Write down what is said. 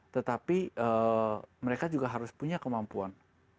tetapi mereka juga harus punya kemampuan